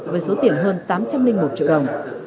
với số tiền hơn tám trăm linh một triệu đồng